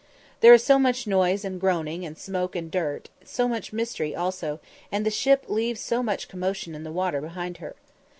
There is so much noise and groaning, and smoke and dirt, so much mystery also, and the ship leaves so much commotion in the water behind her.